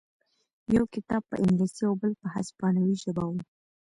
یو کتاب په انګلیسي او بل په هسپانوي ژبه و